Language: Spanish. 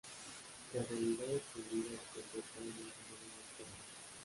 La realidad escondida desemboca en un final inesperado.